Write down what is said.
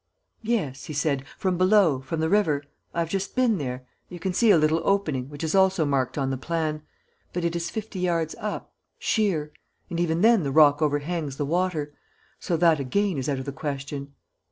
"Yes," he said. "From below, from the river I have just been there you can see a little opening, which is also marked on the plan. But it is fifty yards up, sheer; and even then the rock overhangs the water. So that again is out of the question."